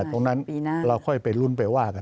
ตรงนั้นเราค่อยไปลุ้นไปว่ากัน